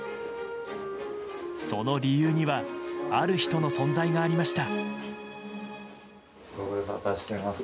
その理由にはある人の存在がありました。